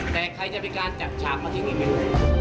แต่ใครจะเป็นการจัดฉากมาทิ้งอีกไหม